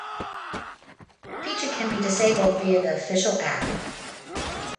The feature can be disabled via the official app.